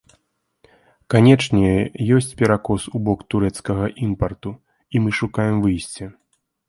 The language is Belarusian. Канечне, ёсць перакос у бок турэцкага імпарту, і мы шукаем выйсце.